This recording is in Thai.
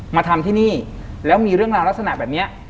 มาทำที่นี่แล้วมีเรื่องราวลักษณะแบบนี้